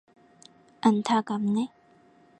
안타깝네.